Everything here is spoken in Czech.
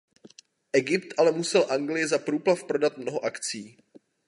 Egypt ale musel Anglii za průplav prodat mnoho akcií.